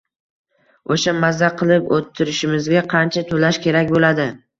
O`sha maza qilib o`tirishimizga qancha to`lash kerak bo`ladi